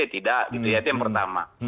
tidak itu yang pertama